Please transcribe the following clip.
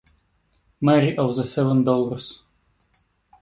Mary of the Seven Dolors.